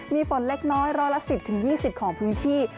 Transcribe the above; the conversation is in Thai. มีฝนเล็กน้อยร้อยละ๑๐๒๐ของพื้นที่